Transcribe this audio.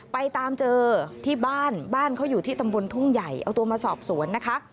ไปตามเจอที่บ้านบ้านเขาอยู่ที่ตำบลทุ่งใหญ่เอาตัวมาสอบสวนนะคะ